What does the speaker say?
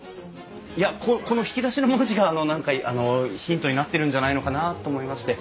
いやここの引き出しの文字があの何かあのヒントになってるんじゃないのかなと思いまして。